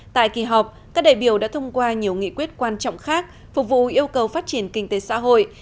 tại kỳ họp các đại biểu đã thông qua nhiều nghị quyết quan trọng khác phục vụ yêu cầu phát triển kinh tế xã hội